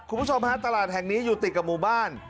คุณผู้ชมฮะตลาดแห่งนี้อยู่ติดกับหมู่บ้าน